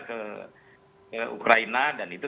ke ukraina dan itu